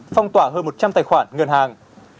phong tỏa hơn một trăm linh tài khoản ngân hàng